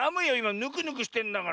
ぬくぬくしてんだから。